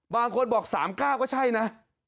บางคนบอก๓๙ก็ใช่นะ